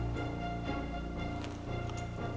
saya siap itih ini